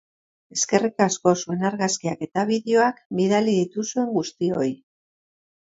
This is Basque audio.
Eskerrik asko zuen argazkiak eta bideoak bidali dituzuen guztioi.